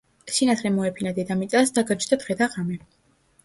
სინათლე მოეფინა დედამიწას და გაჩნდა დღე და ღამე.